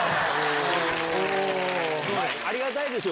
ありがたいですよ